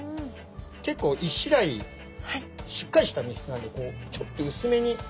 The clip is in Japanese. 結構イシダイしっかりした身質なんでこうちょっと薄めに。